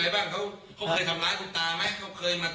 เค้าเคยทำล้ายผู้ตามั้ย